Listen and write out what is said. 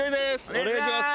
お願いします！